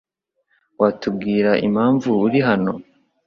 Watubwira impamvu uri hano?